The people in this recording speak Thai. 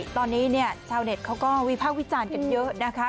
ตอนนี้ชาวเน็ตเขาก็วิภาควิจารณ์กันเยอะนะคะ